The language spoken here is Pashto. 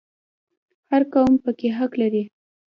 هر قوم پکې حق لري